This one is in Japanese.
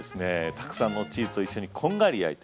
たくさんのチーズと一緒にこんがり焼いて。